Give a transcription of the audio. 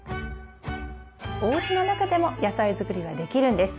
おうちの中でも野菜づくりはできるんです。